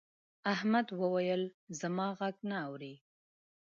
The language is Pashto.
احمد وويل: زما غږ نه اوري.